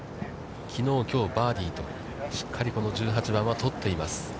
きのう、きょう、バーディーと、しっかりこの１８番は取っています。